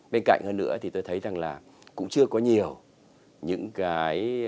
bên cạnh hơn nữa thì tôi thấy rằng là cũng chưa có nhiều những cái thông lệ tốt